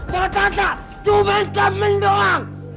tata tata cuma temen doang